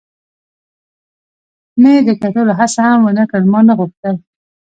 مې د کتلو هڅه هم و نه کړل، ما نه غوښتل.